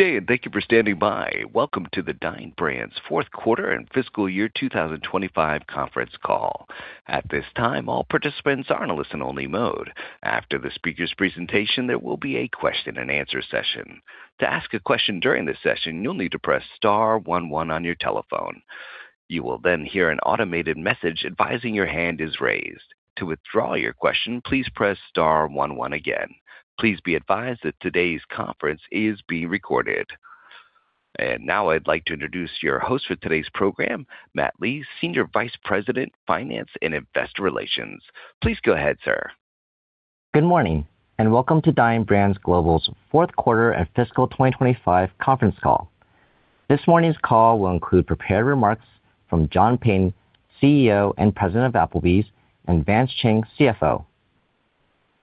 Good day, thank you for standing by. Welcome to the Dine Brands fourth quarter and fiscal year 2025 conference call. At this time, all participants are in a listen-only mode. After the speaker's presentation, there will be a question-and-answer session. To ask a question during this session, you'll need to press star one one on your telephone. You will hear an automated message advising your hand is raised. To withdraw your question, please press star one one again. Please be advised that today's conference is being recorded. Now I'd like to introduce your host for today's program, Matt Lee, Senior Vice President, Finance and Investor Relations. Please go ahead, sir. Good morning, welcome to Dine Brands Global's fourth quarter and fiscal 2025 conference call. This morning's call will include prepared remarks from John Peyton, CEO and President of Applebee's, and Vance Chang, CFO.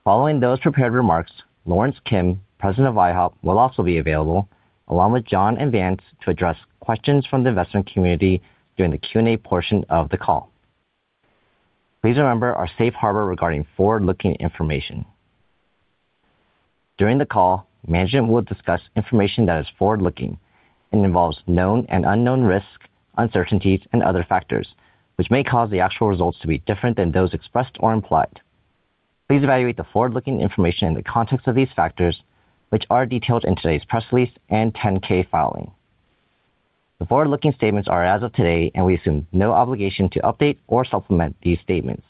Following those prepared remarks, Lawrence Kim, President of IHOP, will also be available, along with John and Vance, to address questions from the investment community during the Q&A portion of the call. Please remember our safe harbor regarding forward-looking information. During the call, management will discuss information that is forward-looking and involves known and unknown risks, uncertainties, and other factors, which may cause the actual results to be different than those expressed or implied. Please evaluate the forward-looking information in the context of these factors, which are detailed in today's press release and 10-K filing. The forward-looking statements are as of today, we assume no obligation to update or supplement these statements.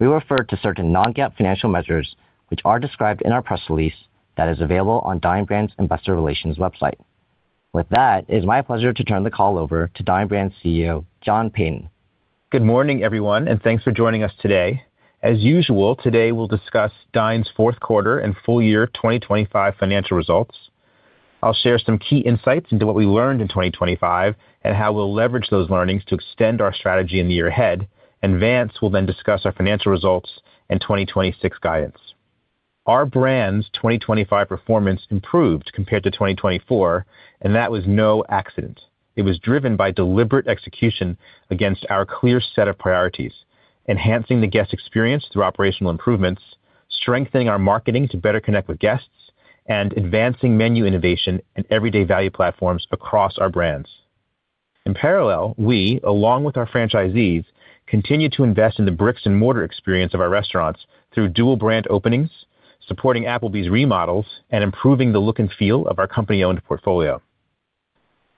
We refer to certain non-GAAP financial measures, which are described in our press release that is available on Dine Brands' Investor Relations website. With that, it's my pleasure to turn the call over to Dine Brands' CEO, John Peyton. Good morning, everyone, thanks for joining us today. As usual, today we'll discuss Dine's fourth quarter and full year 2025 financial results. I'll share some key insights into what we learned in 2025 and how we'll leverage those learnings to extend our strategy in the year ahead. Vance will then discuss our financial results and 2026 guidance. Our brand's 2025 performance improved compared to 2024, and that was no accident. It was driven by deliberate execution against our clear set of priorities: enhancing the guest experience through operational improvements, strengthening our marketing to better connect with guests, and advancing menu innovation and everyday value platforms across our brands. In parallel, we, along with our franchisees, continue to invest in the bricks-and-mortar experience of our restaurants through dual brand openings, supporting Applebee's remodels, and improving the look and feel of our company-owned portfolio.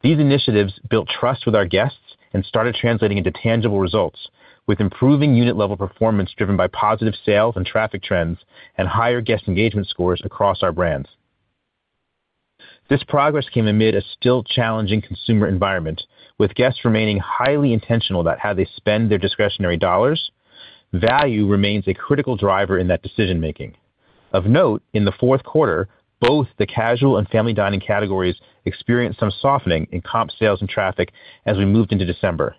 These initiatives built trust with our guests and started translating into tangible results, with improving unit-level performance driven by positive sales and traffic trends and higher guest engagement scores across our brands. This progress came amid a still challenging consumer environment, with guests remaining highly intentional about how they spend their discretionary dollars. Value remains a critical driver in that decision-making. Of note, in the fourth quarter, both the casual and family dining categories experienced some softening in Comp Sales and traffic as we moved into December.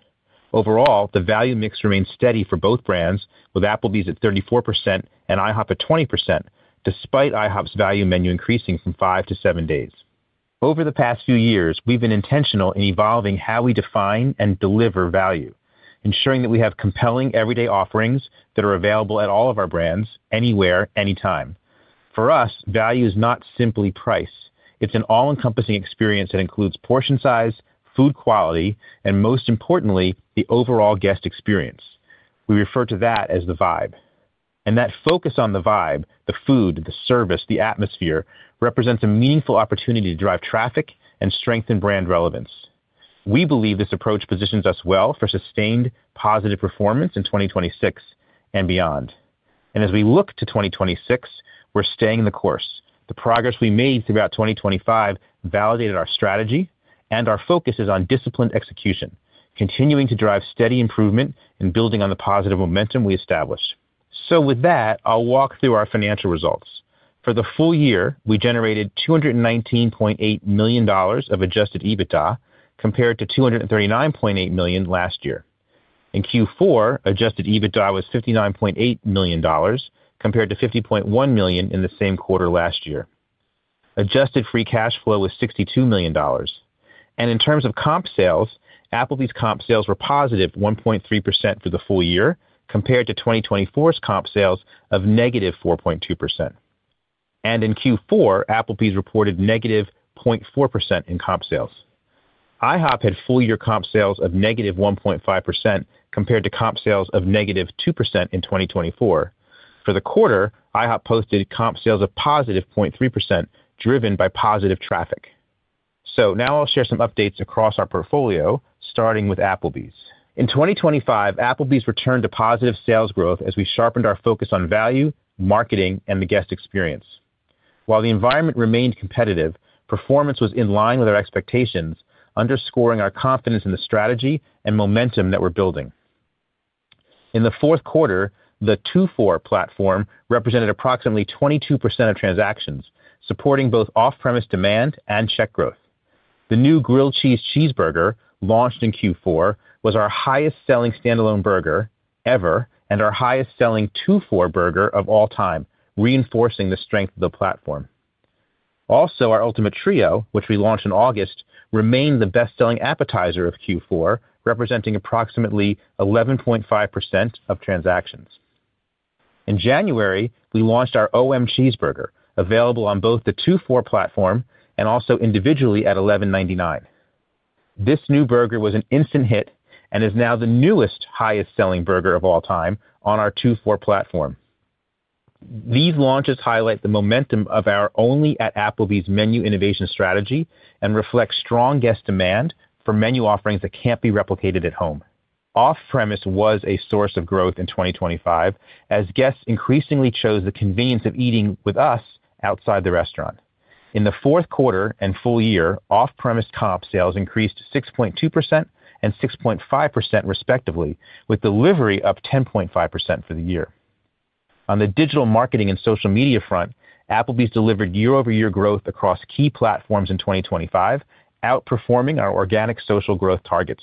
Overall, the value mix remained steady for both brands, with Applebee's at 34% and IHOP at 20%, despite IHOP's Value Menu increasing from 5-7 days. Over the past few years, we've been intentional in evolving how we define and deliver value, ensuring that we have compelling everyday offerings that are available at all of our brands anywhere, anytime. For us, value is not simply price. It's an all-encompassing experience that includes portion size, food quality, and most importantly, the overall guest experience. We refer to that as the vibe. That focus on the vibe, the food, the service, the atmosphere, represents a meaningful opportunity to drive traffic and strengthen brand relevance. We believe this approach positions us well for sustained positive performance in 2026 and beyond. As we look to 2026, we're staying the course. The progress we made throughout 2025 validated our strategy and our focuses on disciplined execution, continuing to drive steady improvement and building on the positive momentum we established. With that, I'll walk through our financial results. For the full year, we generated $219.8 million of Adjusted EBITDA, compared to $239.8 million last year. In Q4, Adjusted EBITDA was $59.8 million, compared to $50.1 million in the same quarter last year. Adjusted free cash flow was $62 million. In terms of Comp Sales, Applebee's Comp Sales were +1.3% for the full year, compared to 2024's Comp Sales of -4.2%. In Q4, Applebee's reported -0.4% in Comp Sales. IHOP had full-year Comp Sales of -1.5%, compared to Comp Sales of -2% in 2024. For the quarter, IHOP posted Comp Sales of +0.3%, driven by positive traffic. Now I'll share some updates across our portfolio, starting with Applebee's. In 2025, Applebee's returned to positive sales growth as we sharpened our focus on value, marketing, and the guest experience. While the environment remained competitive, performance was in line with our expectations, underscoring our confidence in the strategy and momentum that we're building. In the fourth quarter, the Two for platform represented approximately 22% of transactions, supporting both off-premise demand and check growth. The new Grilled Cheese Cheeseburger, launched in Q4, was our highest-selling standalone burger ever and our highest-selling Two for burger of all time, reinforcing the strength of the platform. Also, our Ultimate Trio, which we launched in August, remained the best-selling appetizer of Q4, representing approximately 11.5% of transactions. In January, we launched our O-M-Cheese Burger, available on both the Two for platform and also individually at $11.99. This new burger was an instant hit and is now the newest highest-selling burger of all time on our Two for platform. These launches highlight the momentum of our only at Applebee's menu innovation strategy and reflect strong guest demand for menu offerings that can't be replicated at home. Off-premise was a source of growth in 2025, as guests increasingly chose the convenience of eating with us outside the restaurant. In the fourth quarter and full year, off-premise Comp Sales increased 6.2% and 6.5% respectively, with delivery up 10.5% for the year. On the digital marketing and social media front, Applebee's delivered year-over-year growth across key platforms in 2025, outperforming our organic social growth targets.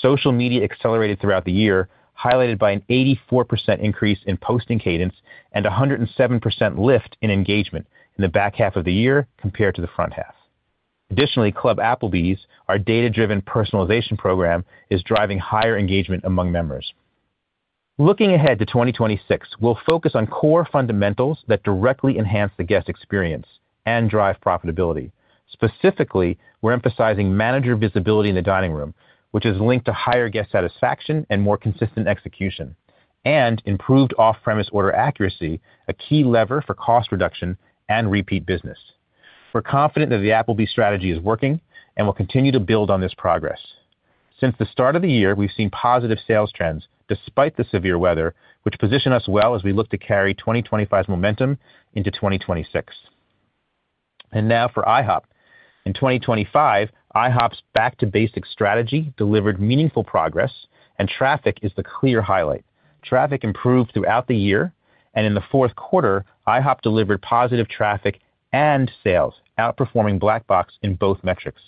Social media accelerated throughout the year, highlighted by an 84% increase in posting cadence and a 107% lift in engagement in the back half of the year compared to the front half. Additionally, Club Applebee's, our data-driven personalization program, is driving higher engagement among members. Looking ahead to 2026, we'll focus on core fundamentals that directly enhance the guest experience and drive profitability. Specifically, we're emphasizing manager visibility in the dining room, which is linked to higher guest satisfaction and more consistent execution, and improved off-premise order accuracy, a key lever for cost reduction and repeat business. We're confident that the Applebee's strategy is working, and we'll continue to build on this progress. Since the start of the year, we've seen positive sales trends despite the severe weather, which position us well as we look to carry 2025's momentum into 2026. Now for IHOP. In 2025, IHOP's back-to-basics strategy delivered meaningful progress, and traffic is the clear highlight. Traffic improved throughout the year, and in the fourth quarter, IHOP delivered positive traffic and sales, outperforming Black Box in both metrics.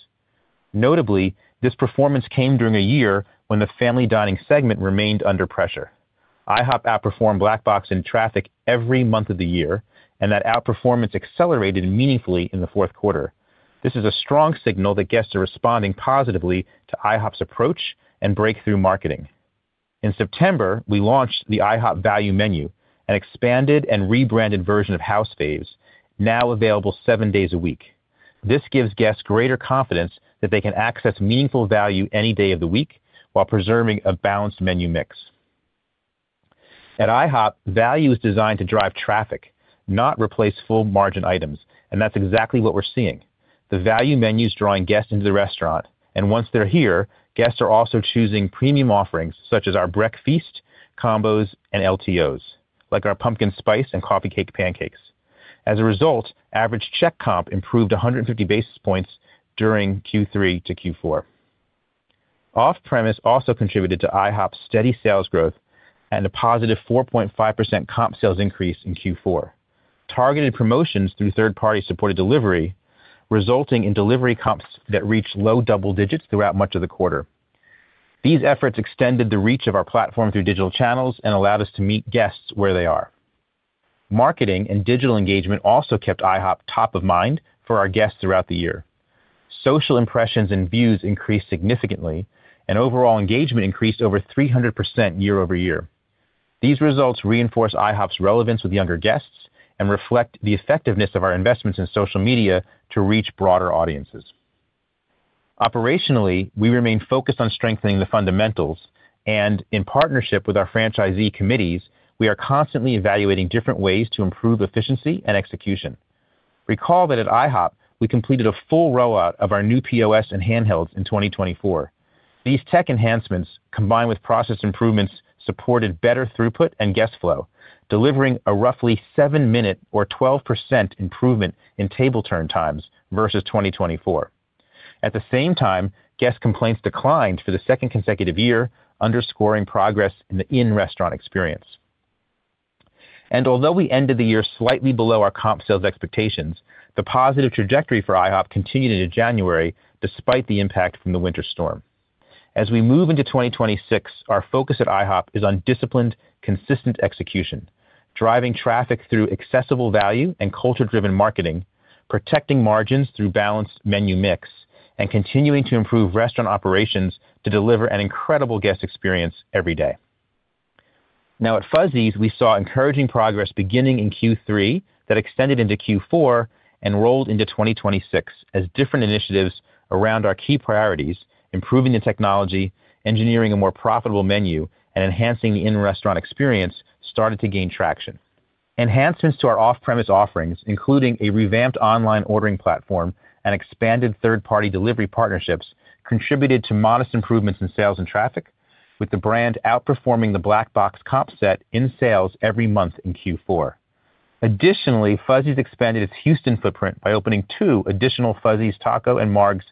Notably, this performance came during a year when the family dining segment remained under pressure. IHOP outperformed Black Box in traffic every month of the year, and that outperformance accelerated meaningfully in the fourth quarter. This is a strong signal that guests are responding positively to IHOP's approach and breakthrough marketing. In September, we launched the IHOP Value Menu, an expanded and rebranded version of House Faves, now available seven days a week. This gives guests greater confidence that they can access meaningful value any day of the week while preserving a balanced menu mix. At IHOP, value is designed to drive traffic, not replace full-margin items, and that's exactly what we're seeing. The value menu is drawing guests into the restaurant, and once they're here, guests are also choosing premium offerings such as our breakfast, combos, and LTOs, like our Pumpkin Spice Pancakes and Coffee Cake Pancakes. As a result, average check comp improved 150 basis points during Q3 to Q4. Off-premise also contributed to IHOP's steady sales growth and a positive 4.5% Comp Sales increase in Q4. Targeted promotions through third-party supported delivery, resulting in delivery comps that reached low double digits throughout much of the quarter. These efforts extended the reach of our platform through digital channels and allowed us to meet guests where they are. Marketing and digital engagement also kept IHOP top of mind for our guests throughout the year. Social impressions and views increased significantly, and overall engagement increased over 300% year-over-year. These results reinforce IHOP's relevance with younger guests and reflect the effectiveness of our investments in social media to reach broader audiences. Operationally, we remain focused on strengthening the fundamentals, and in partnership with our franchisee committees, we are constantly evaluating different ways to improve efficiency and execution. Recall that at IHOP, we completed a full rollout of our new POS and handhelds in 2024. These tech enhancements, combined with process improvements, supported better throughput and guest flow, delivering a roughly 7-minute or 12% improvement in table turn times versus 2024. At the same time, guest complaints declined for the second consecutive year, underscoring progress in the in-restaurant experience. Although we ended the year slightly below our Comp Sales expectations, the positive trajectory for IHOP continued into January, despite the impact from the winter storm. As we move into 2026, our focus at IHOP is on disciplined, consistent execution, driving traffic through accessible value and culture-driven marketing, protecting margins through balanced menu mix, and continuing to improve restaurant operations to deliver an incredible guest experience every day. At Fuzzy's, we saw encouraging progress beginning in Q3 that extended into Q4 and rolled into 2026 as different initiatives around our key priorities, improving the technology, engineering a more profitable menu, and enhancing the in-restaurant experience, started to gain traction. Enhancements to our off-premise offerings, including a revamped online ordering platform and expanded third-party delivery partnerships, contributed to modest improvements in sales and traffic, with the brand outperforming the Black Box comp set in sales every month in Q4. Additionally, Fuzzy's expanded its Houston footprint by opening two additional Fuzzy's Tacos and Margs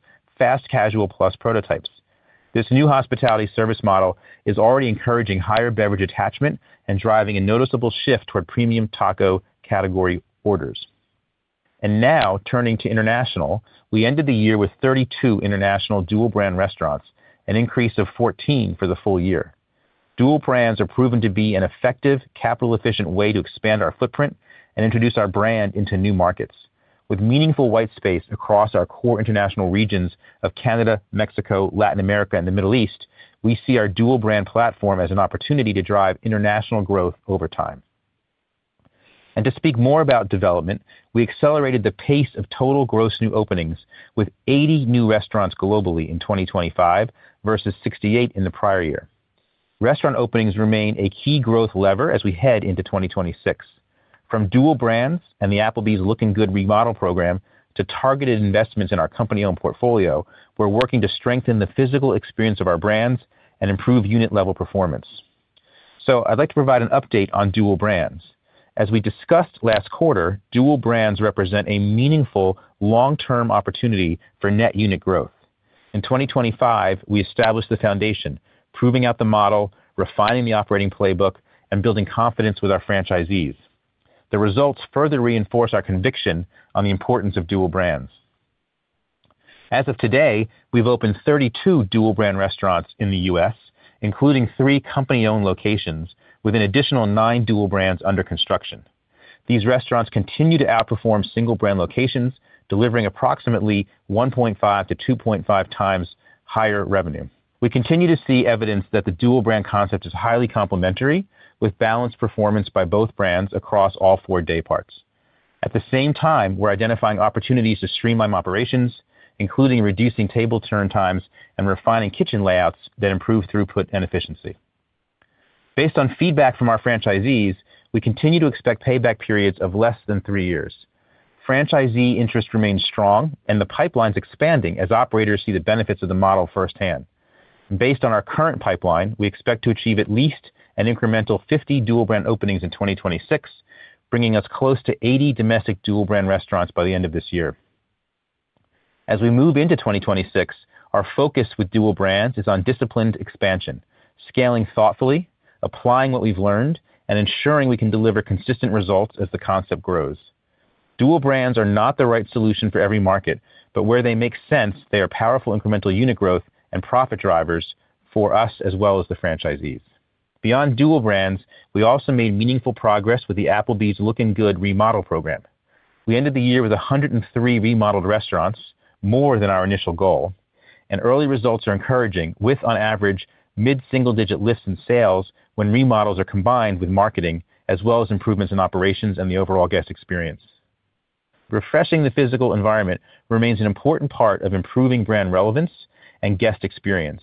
fast-casual plus prototypes. This new hospitality service model is already encouraging higher beverage attachment and driving a noticeable shift toward premium taco category orders. Now turning to international, we ended the year with 32 international dual-brand restaurants, an increase of 14 for the full year. Dual-brands are proven to be an effective, capital-efficient way to expand our footprint and introduce our brand into new markets. With meaningful white space across our core international regions of Canada, Mexico, Latin America, and the Middle East, we see our dual-brand platform as an opportunity to drive international growth over time. To speak more about development, we accelerated the pace of total gross new openings with 80 new restaurants globally in 2025 versus 68 in the prior year. Restaurant openings remain a key growth lever as we head into 2026. From dual brands and the Applebee's Lookin' Good remodel program to targeted investments in our company-owned portfolio, we're working to strengthen the physical experience of our brands and improve unit-level performance. I'd like to provide an update on dual brands. As we discussed last quarter, dual brands represent a meaningful long-term opportunity for net unit growth. In 2025, we established the foundation, proving out the model, refining the operating playbook, and building confidence with our franchisees. The results further reinforce our conviction on the importance of dual brands. As of today, we've opened 32 dual brand restaurants in the U.S., including three company-owned locations, with an additional nine dual brands under construction. These restaurants continue to outperform single-brand locations, delivering approximately 1.5 to 2.5 times higher revenue. We continue to see evidence that the dual-brand concept is highly complementary, with balanced performance by both brands across all four day parts. At the same time, we're identifying opportunities to streamline operations, including reducing table turn times and refining kitchen layouts that improve throughput and efficiency. Based on feedback from our franchisees, we continue to expect payback periods of less than three years. Franchisee interest remains strong, and the pipeline's expanding as operators see the benefits of the model firsthand. Based on our current pipeline, we expect to achieve at least an incremental 50 dual-brand openings in 2026, bringing us close to 80 domestic dual-brand restaurants by the end of this year. As we move into 2026, our focus with dual-brands is on disciplined expansion, scaling thoughtfully, applying what we've learned, and ensuring we can deliver consistent results as the concept grows. Dual brands are not the right solution for every market. Where they make sense, they are powerful incremental unit growth and profit drivers for us as well as the franchisees. Beyond dual brands, we also made meaningful progress with the Applebee's Lookin' Good remodel program. We ended the year with 103 remodeled restaurants, more than our initial goal. Early results are encouraging, with on average, mid-single-digit lifts in sales when remodels are combined with marketing, as well as improvements in operations and the overall guest experience. Refreshing the physical environment remains an important part of improving brand relevance and guest experience.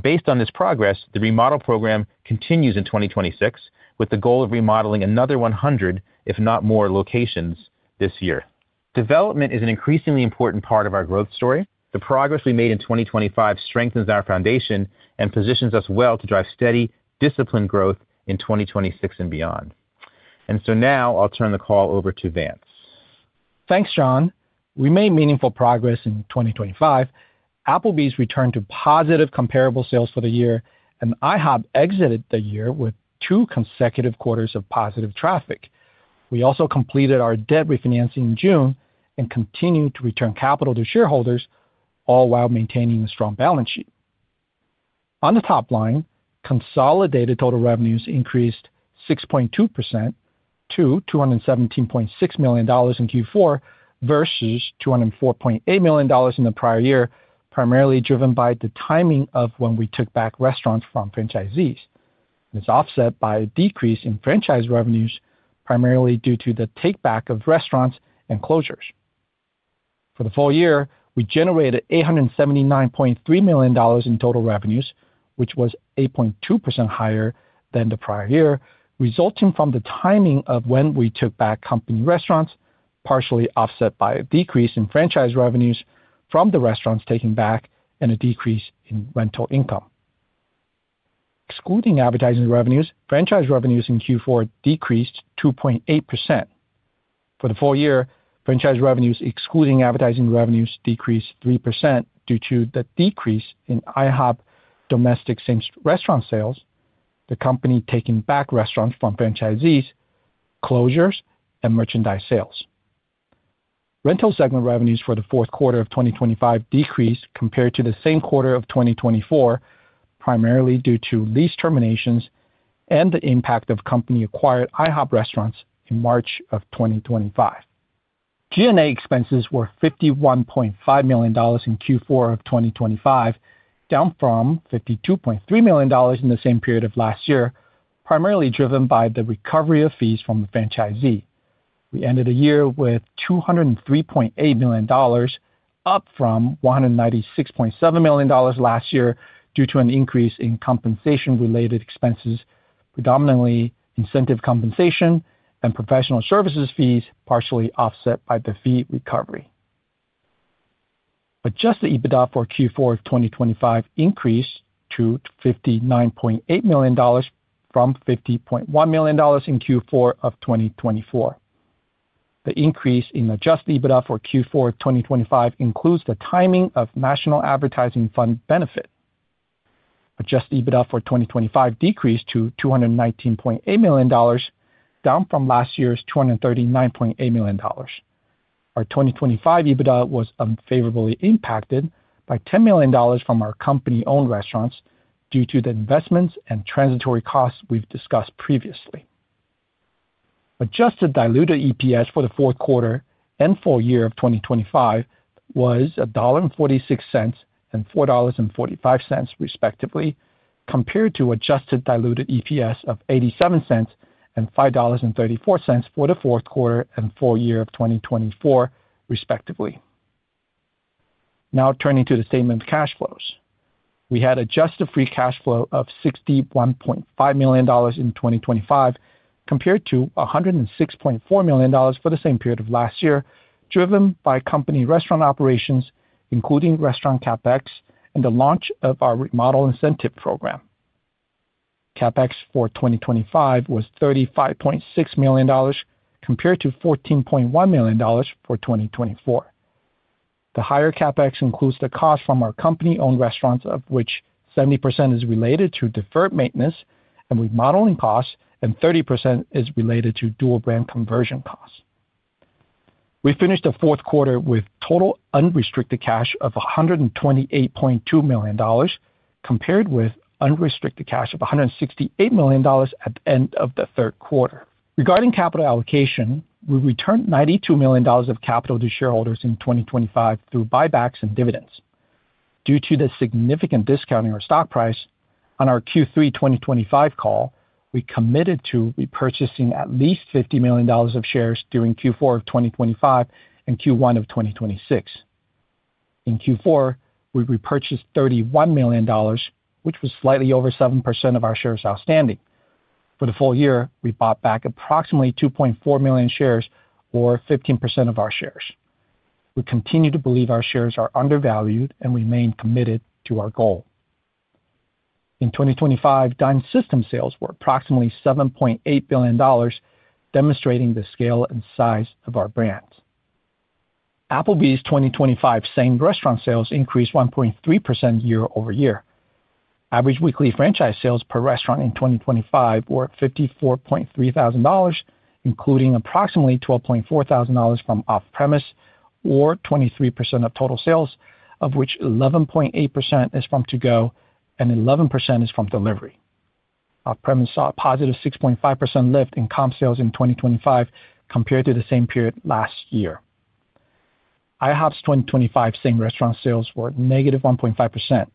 Based on this progress, the remodel program continues in 2026, with the goal of remodeling another 100, if not more, locations this year. Development is an increasingly important part of our growth story. The progress we made in 2025 strengthens our foundation and positions us well to drive steady, disciplined growth in 2026 and beyond. Now I'll turn the call over to Vance. Thanks, John. We made meaningful progress in 2025. Applebee's returned to positive comparable sales for the year. IHOP exited the year with two consecutive quarters of positive traffic. We also completed our debt refinancing in June and continued to return capital to shareholders, all while maintaining a strong balance sheet. On the top line, consolidated total revenues increased 6.2% to $217.6 million in Q4 versus $204.8 million in the prior year, primarily driven by the timing of when we took back restaurants from franchisees. It's offset by a decrease in franchise revenues, primarily due to the take-back of restaurants and closures. For the full year, we generated $879.3 million in total revenues, which was 8.2% higher than the prior year, resulting from the timing of when we took back company restaurants, partially offset by a decrease in franchise revenues from the restaurants taken back and a decrease in rental income. Excluding advertising revenues, franchise revenues in Q4 decreased 2.8%. For the full year, franchise revenues, excluding advertising revenues, decreased 3% due to the decrease in IHOP domestic same-store restaurant sales, the company taking back restaurants from franchisees, closures, and merchandise sales. Rental segment revenues for the fourth quarter of 2025 decreased compared to the same quarter of 2024, primarily due to lease terminations and the impact of company-acquired IHOP restaurants in March of 2025. G&A expenses were $51.5 million in Q4 of 2025, down from $52.3 million in the same period of last year, primarily driven by the recovery of fees from the franchisee. We ended the year with $203.8 million, up from $196.7 million last year, due to an increase in compensation-related expenses, predominantly incentive compensation and professional services fees, partially offset by the fee recovery. Adjusted EBITDA for Q4 of 2025 increased to $59.8 million from $50.1 million in Q4 of 2024. The increase in Adjusted EBITDA for Q4 of 2025 includes the timing of national advertising fund benefit. Adjusted EBITDA for 2025 decreased to $219.8 million, down from last year's $239.8 million. Our 2025 EBITDA was unfavorably impacted by $10 million from our company-owned restaurants due to the investments and transitory costs we've discussed previously. Adjusted Diluted EPS for the fourth quarter and full year of 2025 was $1.46 and $4.45, respectively, compared to Adjusted Diluted EPS of $0.87 and $5.34 for the fourth quarter and full year of 2024, respectively. Turning to the statement of cash flows. We had Adjusted free cash flow of $61.5 million in 2025, compared to $106.4 million for the same period of last year, driven by company restaurant operations, including restaurant CapEx, and the launch of our remodel incentive program. CapEx for 2025 was $35.6 million, compared to $14.1 million for 2024. The higher CapEx includes the cost from our company-owned restaurants, of which 70% is related to deferred maintenance and remodeling costs, and 30% is related to dual-brand conversion costs. We finished the fourth quarter with total unrestricted cash of $128.2 million, compared with unrestricted cash of $168 million at the end of the third quarter. Regarding capital allocation, we returned $92 million of capital to shareholders in 2025 through buybacks and dividends. Due to the significant discount in our stock price, on our Q3 2025 call, we committed to repurchasing at least $50 million of shares during Q4 of 2025 and Q1 of 2026. In Q4, we repurchased $31 million, which was slightly over 7% of our shares outstanding. For the full year, we bought back approximately 2.4 million shares, or 15% of our shares. We continue to believe our shares are undervalued and remain committed to our goal. In 2025, Dine system sales were approximately $7.8 billion, demonstrating the scale and size of our brands. Applebee's 2025 same restaurant sales increased 1.3% year-over-year. Average weekly franchise sales per restaurant in 2025 were $54.3 thousand, including approximately $12.4 thousand from off-premise, or 23% of total sales, of which 11.8% is from to-go and 11% is from delivery. Off-premise saw a positive 6.5% lift in Comp Sales in 2025 compared to the same period last year. IHOP's 2025 same-restaurant sales were negative 1.5%.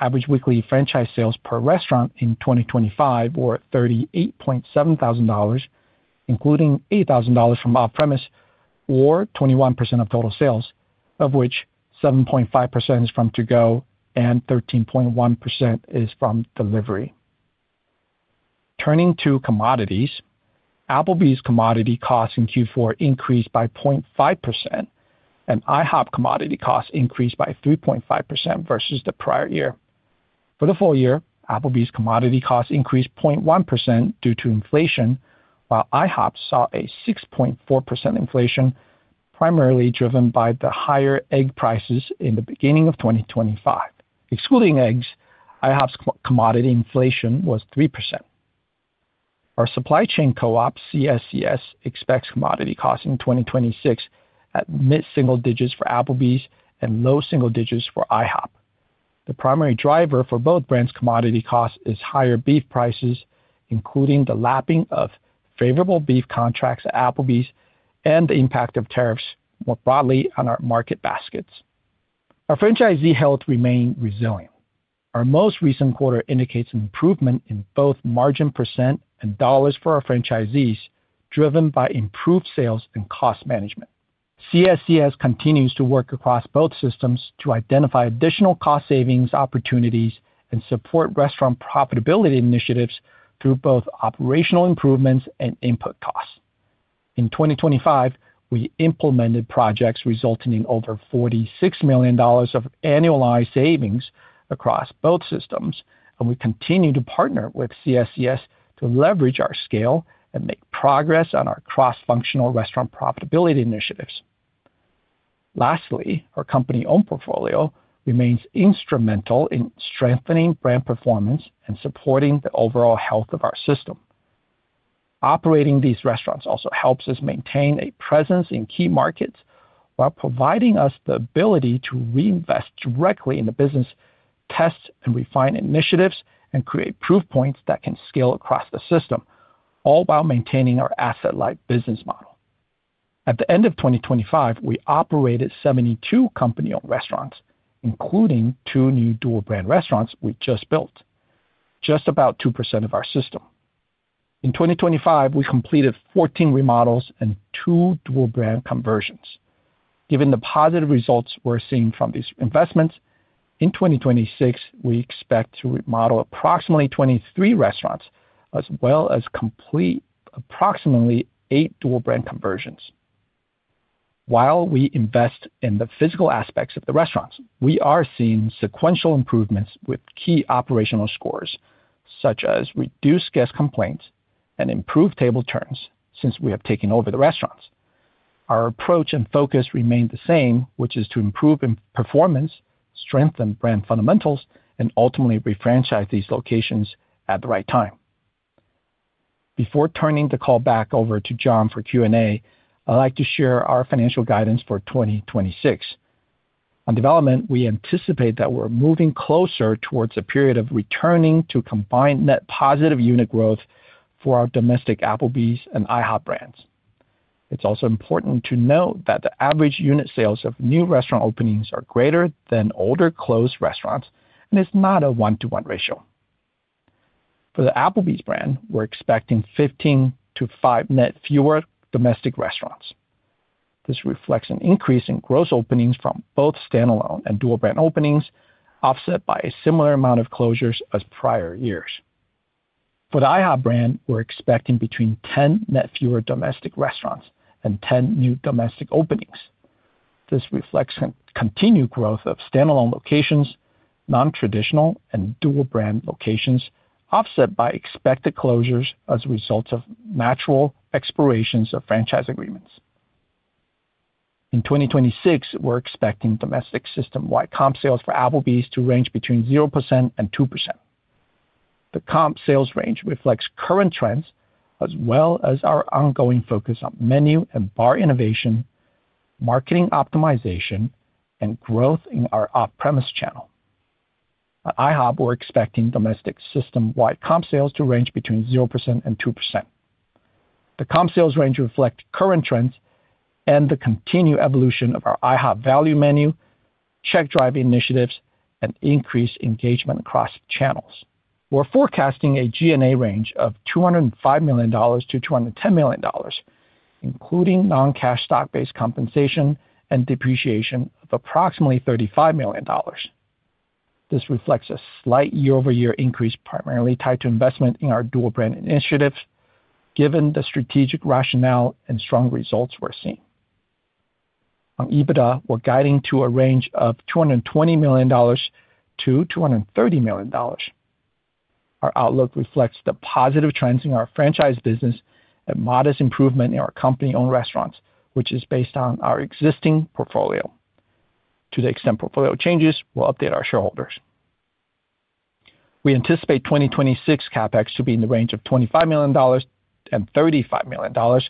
Average weekly franchise sales per restaurant in 2025 were $38.7 thousand, including $8 thousand from off-premise, or 21% of total sales, of which 7.5% is from to-go and 13.1% is from delivery. Turning to commodities, Applebee's commodity costs in Q4 increased by 0.5%, and IHOP commodity costs increased by 3.5% versus the prior year. For the full year, Applebee's commodity costs increased 0.1% due to inflation, while IHOP saw a 6.4% inflation, primarily driven by the higher egg prices in the beginning of 2025. Excluding eggs, IHOP's co-commodity inflation was 3%. Our supply chain co-op, CSCS, expects commodity costs in 2026 at mid-single digits for Applebee's and low single digits for IHOP. The primary driver for both brands' commodity costs is higher beef prices, including the lapping of favorable beef contracts at Applebee's and the impact of tariffs more broadly on our market baskets. Our franchisee health remained resilient. Our most recent quarter indicates an improvement in both margin % and dollars for our franchisees, driven by improved sales and cost management. CSCS continues to work across both systems to identify additional cost savings opportunities and support restaurant profitability initiatives through both operational improvements and input costs. In 2025, we implemented projects resulting in over $46 million of annualized savings across both systems, and we continue to partner with CSCS to leverage our scale and make progress on our cross-functional restaurant profitability initiatives. Lastly, our company-owned portfolio remains instrumental in strengthening brand performance and supporting the overall health of our system. Operating these restaurants also helps us maintain a presence in key markets while providing us the ability to reinvest directly in the business, test and refine initiatives, and create proof points that can scale across the system, all while maintaining our asset-light business model. At the end of 2025, we operated 72 company-owned restaurants, including two new dual brand restaurants we just built, just about 2% of our system. In 2025, we completed 14 remodels and two dual brand conversions. Given the positive results we're seeing from these investments, in 2026, we expect to remodel approximately 23 restaurants, as well as complete approximately eight dual brand conversions. While we invest in the physical aspects of the restaurants, we are seeing sequential improvements with key operational scores, such as reduced guest complaints and improved table turns since we have taken over the restaurants. Our approach and focus remain the same, which is to improve in performance, strengthen brand fundamentals, and ultimately refranchise these locations at the right time. Before turning the call back over to John for Q&A, I'd like to share our financial guidance for 2026. On development, we anticipate that we're moving closer towards a period of returning to combined net positive unit growth for our domestic Applebee's and IHOP brands. It's also important to note that the average unit sales of new restaurant openings are greater than older closed restaurants, and it's not a one-to-one ratio. For the Applebee's brand, we're expecting 15 to 5 net fewer domestic restaurants. This reflects an increase in gross openings from both standalone and dual-brand openings, offset by a similar amount of closures as prior years. For the IHOP brand, we're expecting between 10 net fewer domestic restaurants and 10 new domestic openings. This reflects continued growth of standalone locations, nontraditional and dual-brand locations, offset by expected closures as a result of natural expirations of franchise agreements. In 2026, we're expecting domestic system-wide Comp Sales for Applebee's to range between 0% and 2%. The Comp Sales range reflects current trends as well as our ongoing focus on menu and bar innovation, marketing optimization, and growth in our off-premise channel. At IHOP, we're expecting domestic system-wide Comp Sales to range between 0% and 2%. The comp sales range reflect current trends and the continued evolution of our IHOP Value Menu, check drive initiatives, and increased engagement across channels. We're forecasting a G&A range of $205 million-$210 million, including non-cash stock-based compensation and depreciation of approximately $35 million. This reflects a slight year-over-year increase, primarily tied to investment in our dual-brand initiatives, given the strategic rationale and strong results we're seeing. On EBITDA, we're guiding to a range of $220 million-$230 million. Our outlook reflects the positive trends in our franchise business and modest improvement in our company-owned restaurants, which is based on our existing portfolio. To the extent portfolio changes, we'll update our shareholders. We anticipate 2026 CapEx to be in the range of $25 million and $35 million,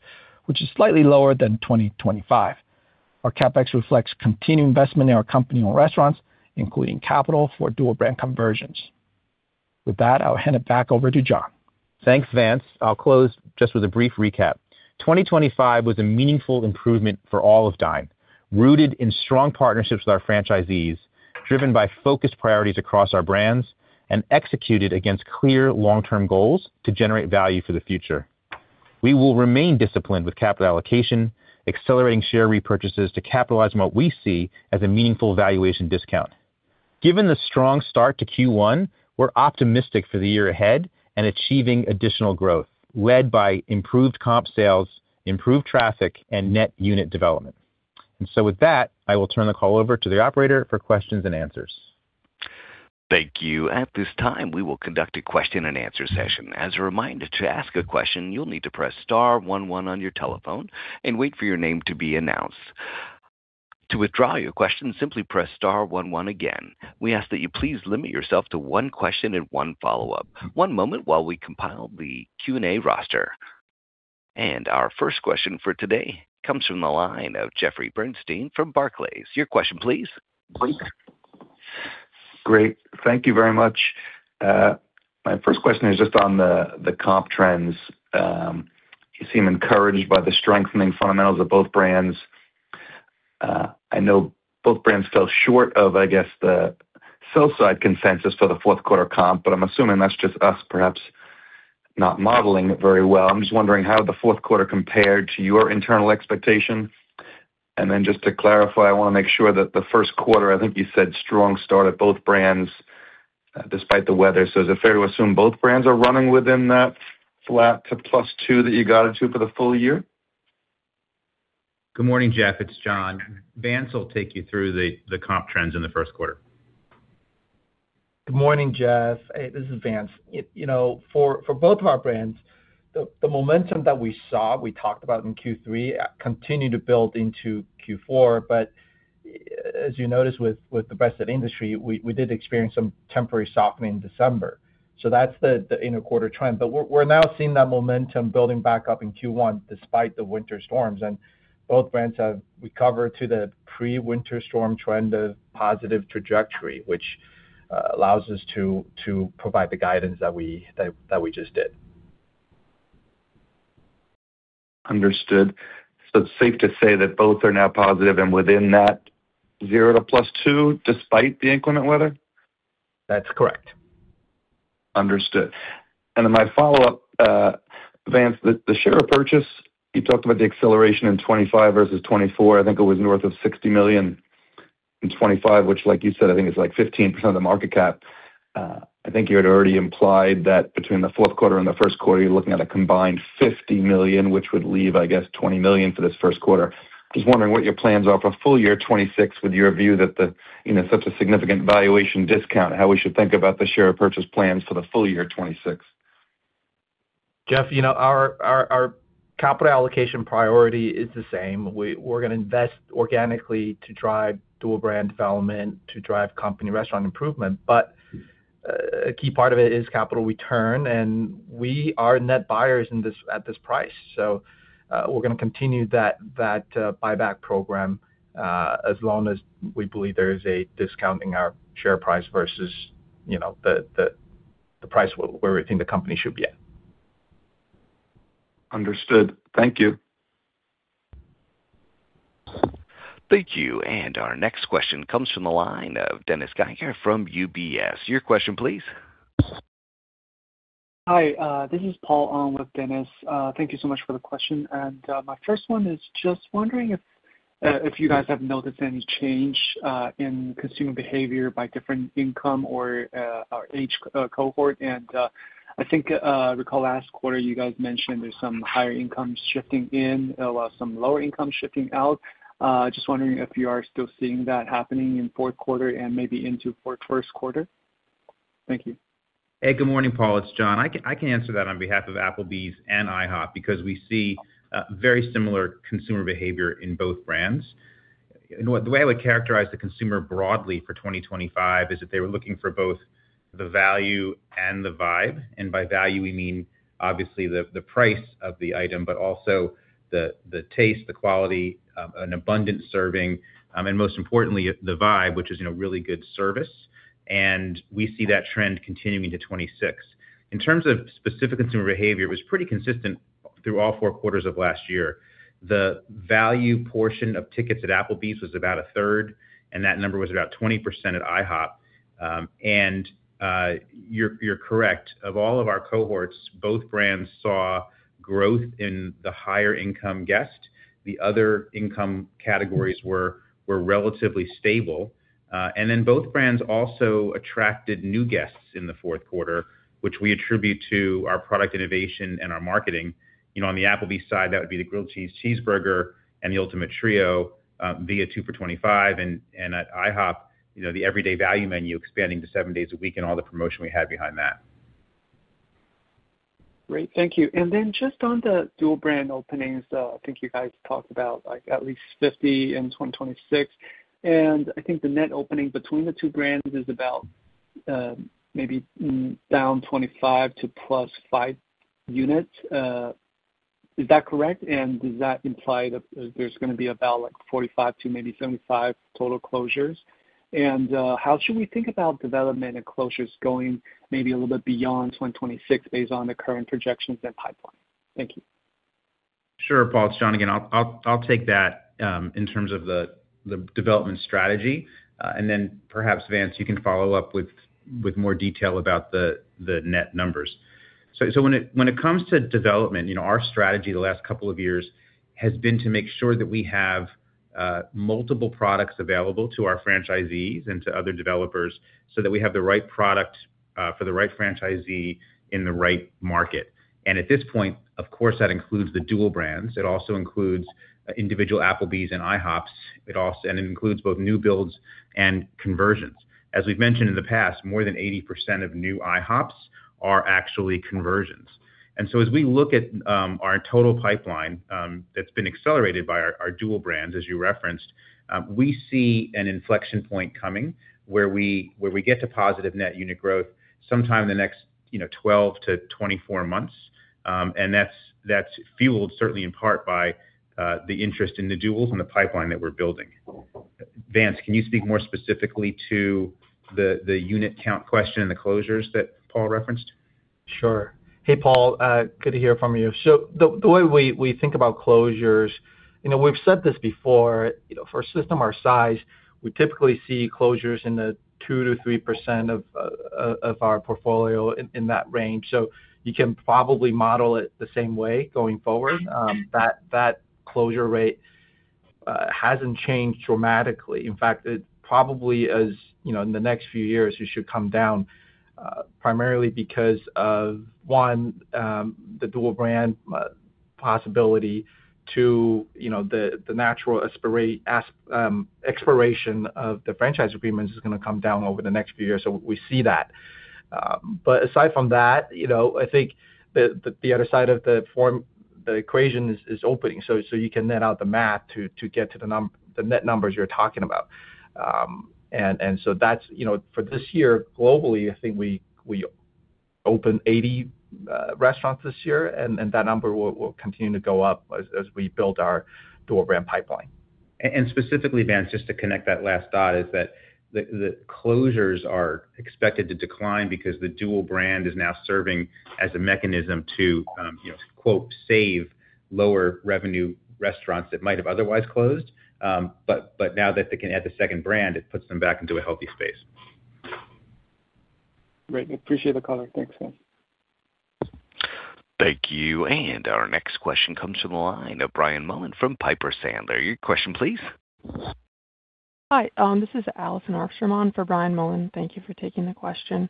which is slightly lower than 2025. Our CapEx reflects continued investment in our company-owned restaurants, including capital for dual-brand conversions. With that, I'll hand it back over to John. Thanks, Vance. I'll close just with a brief recap. 2025 was a meaningful improvement for all of Dine, rooted in strong partnerships with our franchisees, driven by focused priorities across our brands, executed against clear long-term goals to generate value for the future. We will remain disciplined with capital allocation, accelerating share repurchases to capitalize on what we see as a meaningful valuation discount. Given the strong start to Q1, we're optimistic for the year ahead and achieving additional growth, led by improved Comp Sales, improved traffic, and net unit development. With that, I will turn the call over to the operator for questions and answers. Thank you. At this time, we will conduct a question-and-answer session. As a reminder, to ask a question, you'll need to press star one one on your telephone and wait for your name to be announced. To withdraw your question, simply press star one one again. We ask that you please limit yourself to one question and one follow-up. One moment while we compile the Q&A roster. Our first question for today comes from the line of Jeffrey Bernstein from Barclays. Your question, please. Great. Thank you very much. My first question is just on the comp trends. You seem encouraged by the strengthening fundamentals of both brands. I know both brands fell short of, I guess, the sell side consensus for the fourth quarter comp, but I'm assuming that's just us perhaps not modeling it very well. I'm just wondering, how the fourth quarter compared to your internal expectation? Just to clarify, I want to make sure that the first quarter, I think you said strong start at both brands despite the weather. Is it fair to assume both brands are running within that flat to +2 that you guided to for the full year? Good morning, Jeff, it's John. Vance will take you through the comp trends in the first quarter. Good morning, Jeff. This is Vance. You know, for both of our brands, the momentum that we saw, we talked about in Q3, continued to build into Q4. As you noticed, with the rest of the industry, we did experience some temporary softening in December. That's the interquarter trend. We're now seeing that momentum building back up in Q1 despite the winter storms. Both brands have recovered to the pre-winter storm trend of positive trajectory, which allows us to provide the guidance that we just did. Understood. It's safe to say that both are now positive and within that 0 to +2, despite the inclement weather? That's correct. Understood. My follow-up, Vance, the share purchase, you talked about the acceleration in 2025 versus 2024. I think it was north of $60 million in 2025, which, like you said, I think is like 15% of the market cap. I think you had already implied that between the fourth quarter and the first quarter, you're looking at a combined $50 million, which would leave, I guess, $20 million for this first quarter. Just wondering what your plans are for full year 2026, with your view that, you know, such a significant valuation discount, how we should think about the share purchase plans for the full year 2026. Jeff, you know.... capital allocation priority is the same. We're going to invest organically to drive dual brand development, to drive company restaurant improvement. A key part of it is capital return, and we are net buyers in this, at this price. We're going to continue that buyback program as long as we believe there is a discount in our share price versus, you know, the price where we think the company should be at. Understood. Thank you. Thank you. Our next question comes from the line of Dennis Geiger from UBS. Your question, please. Hi, this is Paul Ong with Dennis. Thank you so much for the question. My first one is just wondering if you guys have noticed any change in consumer behavior by different income or age cohort. I think I recall last quarter, you guys mentioned there's some higher incomes shifting in, while some lower incomes shifting out. Just wondering if you are still seeing that happening in fourth quarter and maybe into first quarter? Thank you. Hey, good morning, Paul, it's John. I can answer that on behalf of Applebee's and IHOP, because we see very similar consumer behavior in both brands. You know what? The way I would characterize the consumer broadly for 2025 is that they were looking for both the value and the vibe, and by value, we mean obviously the price of the item, but also the taste, the quality, an abundant serving, and most importantly, the vibe, which is, you know, really good service, and we see that trend continuing to 2026. In terms of specific consumer behavior, it was pretty consistent through all four quarters of last year. The value portion of tickets at Applebee's was about a third, and that number was about 20% at IHOP. You're correct. Of all of our cohorts, both brands saw growth in the higher income guest. The other income categories were relatively stable. Both brands also attracted new guests in the fourth quarter, which we attribute to our product innovation and our marketing. You know, on the Applebee's side, that would be the Grilled Cheese Cheeseburger and the Ultimate Trio via two for $25, and at IHOP, you know, the everyday value menu expanding to seven days a week, and all the promotion we had behind that. Great. Thank you. On the dual brand openings, I think you guys talked about, like, at least 50 in 2026, I think the net opening between the two brands is about -25 to +5 units. Is that correct? Does that imply that there's going to be about, like, 45 to 75 total closures? How should we think about development and closures going maybe a little bit beyond 2026, based on the current projections and pipeline? Thank you. Sure, Paul, it's John again. I'll take that in terms of the development strategy, and then perhaps, Vance, you can follow up with more detail about the net numbers. When it comes to development, you know, our strategy the last couple of years has been to make sure that we have multiple products available to our franchisees and to other developers, so that we have the right product for the right franchisee in the right market. At this point, of course, that includes the dual brands. It also includes individual Applebee's and IHOPs. It also includes both new builds and conversions. As we've mentioned in the past, more than 80% of new IHOPs are actually conversions. As we look at our total pipeline, that's been accelerated by our dual brands, as you referenced, we see an inflection point coming where we get to positive net unit growth sometime in the next 12 to 24 months. That's fueled, certainly in part by the interest in the duals and the pipeline that we're building. Vance, can you speak more specifically to the unit count question and the closures that Paul referenced? Sure. Hey, Paul, good to hear from you. The way we think about closures, you know, we've said this before, you know, for a system our size, we typically see closures in the 2%-3% of our portfolio in that range. You can probably model it the same way going forward. That closure rate hasn't changed dramatically. In fact, it probably is, you know, in the next few years, it should come down primarily because of, one, the dual-brand possibility. Two, you know, the natural expiration of the franchise agreements is going to come down over the next few years, we see that. Aside from that, you know, I think the other side of the equation is opening, so you can net out the math to get to the net numbers you're talking about. That's, you know, for this year, globally, I think we opened 80 restaurants this year, and that number will continue to go up as we build our dual-brand pipeline. Specifically, Vance, just to connect that last dot, is that the closures are expected to decline because the dual brand is now serving as a mechanism to, you know, quote, "Save lower revenue restaurants that might have otherwise closed." Now that they can add the second brand, it puts them back into a healthy space. Great. Appreciate the color. Thanks, guys. Thank you. Our next question comes from the line of Brian Mullan from Piper Sandler. Your question, please. Hi, this is Allison Arfstrom for Brian Mullan. Thank you for taking the question.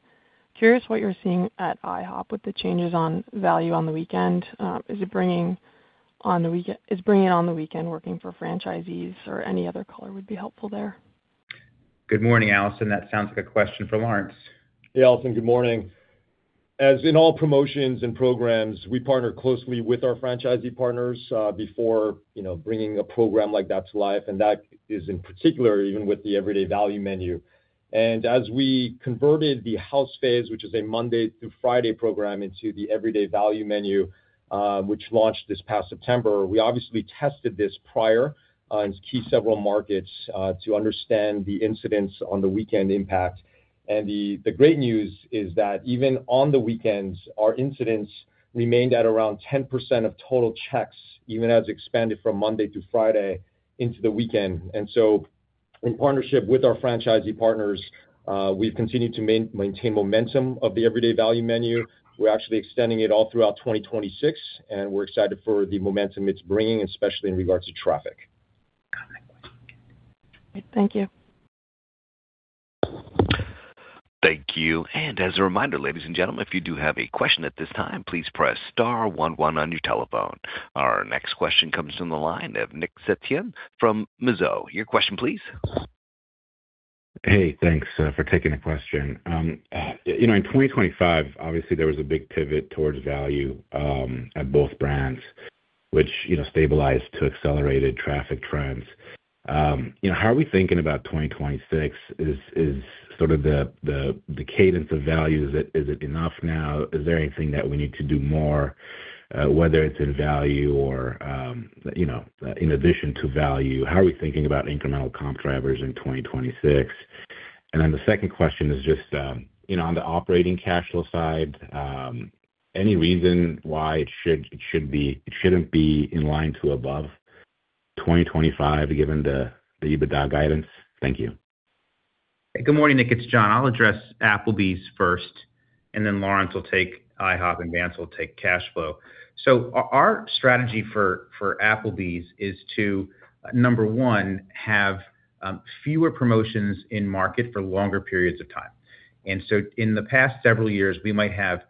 Curious what you're seeing at IHOP with the changes on value on the weekend. Is bringing on the weekend working for franchisees or any other color would be helpful there? Good morning, Allison. That sounds like a question for Lawrence. Hey, Allison, good morning. As in all promotions and programs, we partner closely with our franchisee partners, before, you know, bringing a program like that to life, and that is in particular, even with the IHOP Value Menu. As we converted the House phase, which is a Monday through Friday program, into the IHOP Value Menu, which launched this past September, we obviously tested this prior, in key several markets, to understand the incidents on the weekend impact. The great news is that even on the weekends, our incidents remained at around 10% of total checks, even as expanded from Monday to Friday into the weekend. In partnership with our franchisee partners, we've continued to maintain momentum of the IHOP Value Menu. We're actually extending it all throughout 2026. We're excited for the momentum it's bringing, especially in regards to traffic. Thank you. Thank you. As a reminder, ladies and gentlemen, if you do have a question at this time, please press star one one on your telephone. Our next question comes from the line of Nick Setyan from Mizuho. Your question, please. Hey, thanks for taking the question. You know, in 2025, obviously there was a big pivot towards value at both brands, which, you know, stabilized to accelerated traffic trends. You know, how are we thinking about 2026? Is sort of the cadence of value, is it enough now? Is there anything that we need to do more, whether it's in value or, you know, in addition to value, how are we thinking about incremental comp drivers in 2026? The second question is just, you know, on the operating cash flow side, any reason why it shouldn't be in line to above 2025, given the EBITDA guidance? Thank you. Good morning, Nick, it's John. I'll address Applebee's first, and then Lawrence will take IHOP, and Vance will take cash flow. Our strategy for Applebee's is to, number one, have fewer promotions in market for longer periods of time. In the past several years, we might have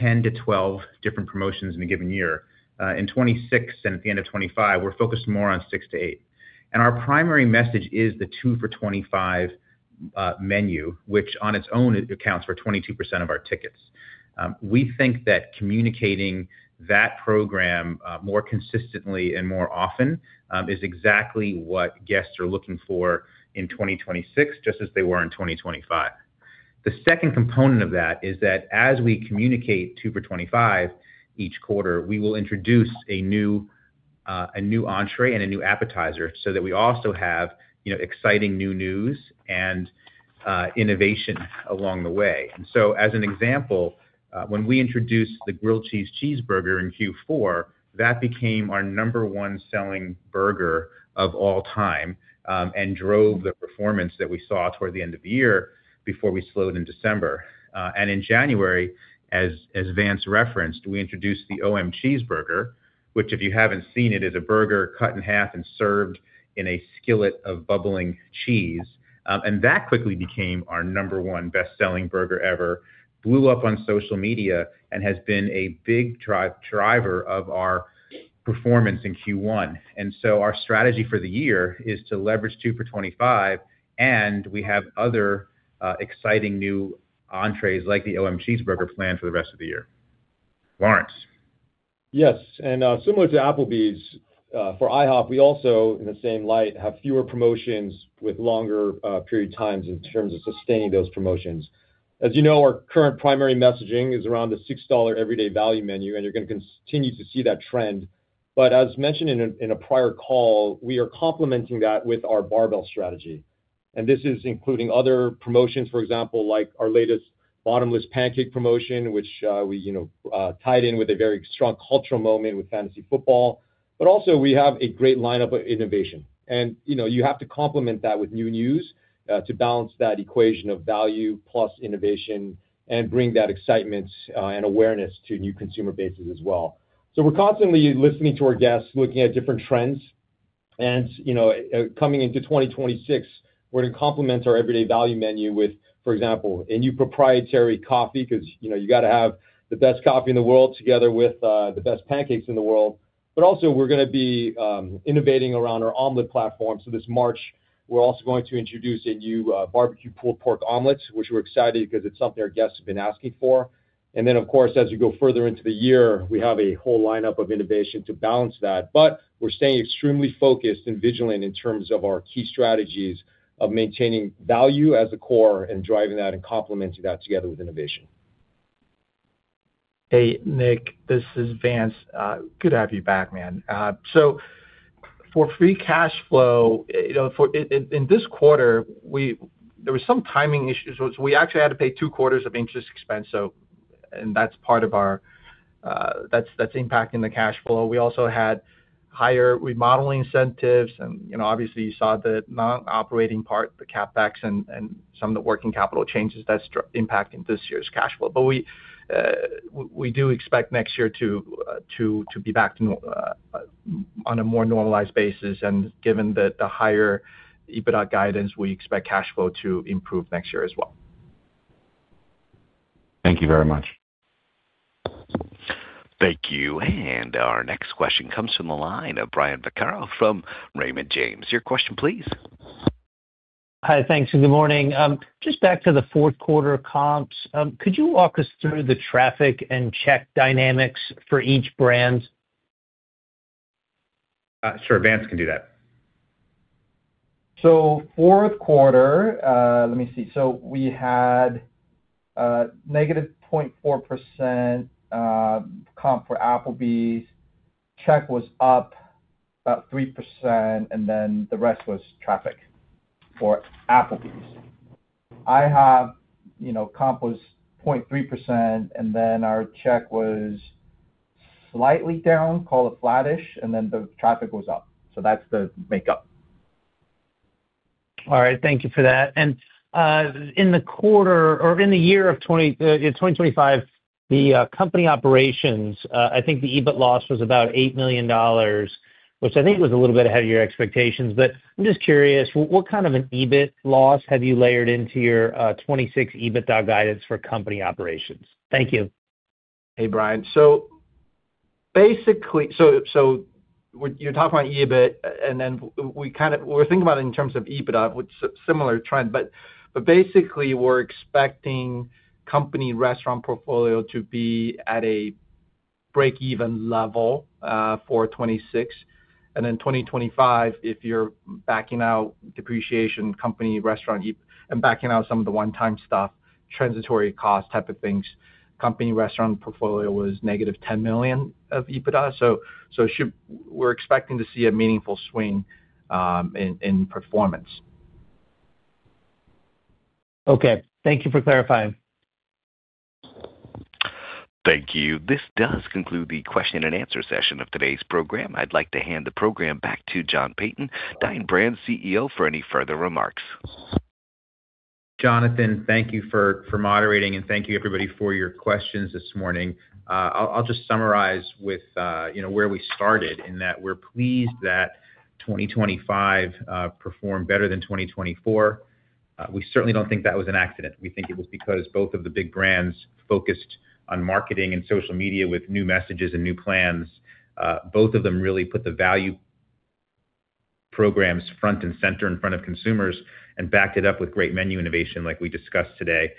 10-12 different promotions in a given year. In 2026 and at the end of 2025, we're focused more on 6-8. Our primary message is the two for $25 menu, which on its own accounts for 22% of our tickets. We think that communicating that program, more consistently and more often, is exactly what guests are looking for in 2026, just as they were in 2025. The second component of that is that as we communicate two for $25 each quarter, we will introduce a new, a new entree and a new appetizer so that we also have, you know, exciting new news and innovation along the way. As an example, when we introduced the Grilled Cheese Cheeseburger in Q4, that became our number one selling burger of all time, and drove the performance that we saw toward the end of the year before we slowed in December. In January, as Vance referenced, we introduced the Bacon Cheeseburger, which, if you haven't seen it, is a burger cut in half and served in a skillet of bubbling cheese. That quickly became our number one best-selling burger ever. Blew up on social media and has been a big driver of our performance in Q1. Our strategy for the year is to leverage two for $25, and we have other exciting new entrees like the Bacon Cheeseburger planned for the rest of the year. Lawrence? Yes, similar to Applebee's, for IHOP, we also, in the same light, have fewer promotions with longer period times in terms of sustaining those promotions. As you know, our current primary messaging is around the $6 IHOP Value Menu, and you're going to continue to see that trend. As mentioned in a prior call, we are complementing that with our barbell strategy. This is including other promotions, for example, like our latest bottomless pancake promotion, which we, you know, tied in with a very strong cultural moment with fantasy football. Also we have a great lineup of innovation. You know, you have to complement that with new news to balance that equation of value plus innovation and bring that excitement and awareness to new consumer bases as well. We're constantly listening to our guests, looking at different trends, and, you know, coming into 2026, we're going to complement our IHOP Value Menu with, for example, a new proprietary coffee, because, you know, you got to have the best coffee in the world together with the best pancakes in the world. Also, we're gonna be innovating around our omelet platform. This March, we're also going to introduce a new BBQ Pulled Pork Omelet, which we're excited because it's something our guests have been asking for. Then, of course, as you go further into the year, we have a whole lineup of innovation to balance that. We're staying extremely focused and vigilant in terms of our key strategies of maintaining value as a core and driving that and complementing that together with innovation. Hey, Nick, this is Vance. Good to have you back, man. For free cash flow, you know, in this quarter, there was some timing issues, we actually had to pay two quarters of interest expense. That's impacting the cash flow. We also had higher remodeling incentives and, you know, obviously, you saw the non-operating part, the CapEx and some of the working capital changes that's impacting this year's cash flow. We do expect next year to be back on a more normalized basis, and given that the higher EBITDA guidance, we expect cash flow to improve next year as well. Thank you very much. Thank you. Our next question comes from the line of Brian Vaccaro from Raymond James. Your question, please. Hi. Thanks, good morning. just back to the fourth quarter comps, could you walk us through the traffic and check dynamics for each brand? Sure, Vance can do that. Fourth quarter, let me see. We had negative 0.4% comp for Applebee's. Check was up about 3%. The rest was traffic for Applebee's. IHOP, you know, comp was 0.3%. Our check was slightly down, call it flattish. The traffic was up. That's the makeup. Right. Thank you for that. In the quarter or in the year of 2025, the company operations, I think the EBIT loss was about $8 million, which I think was a little bit ahead of your expectations. I'm just curious, what kind of an EBIT loss have you layered into your 2026 EBITDA guidance for company operations? Thank you. Hey, Brian. Basically, so you're talking about EBIT, and then we're thinking about it in terms of EBITDA, which similar trend, but basically, we're expecting company restaurant portfolio to be at a break-even level for 2026. 2025, if you're backing out depreciation, company, restaurant, and backing out some of the one-time stuff, transitory cost type of things, company restaurant portfolio was negative $10 million of EBITDA. We're expecting to see a meaningful swing in performance. Okay. Thank you for clarifying. Thank you. This does conclude the question and answer session of today's program. I'd like to hand the program back to John Peyton, Dine Brands CEO, for any further remarks. Jonathan, thank you for moderating, and thank you, everybody, for your questions this morning. I'll just summarize with, you know, where we started in that we're pleased that 2025 performed better than 2024. We certainly don't think that was an accident. We think it was because both of the big brands focused on marketing and social media with new messages and new plans. Both of them really put the value programs front and center in front of consumers and backed it up with great menu innovation, like we discussed today.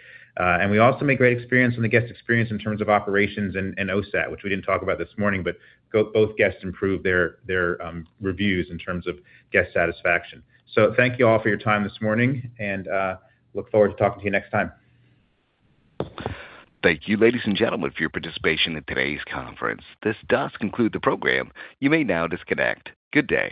We also made great experience in the guest experience in terms of operations and OSAT, which we didn't talk about this morning, but both guests improved their reviews in terms of guest satisfaction. Thank you all for your time this morning, and, look forward to talking to you next time. Thank you, ladies and gentlemen, for your participation in today's conference. This does conclude the program. You may now disconnect. Good day.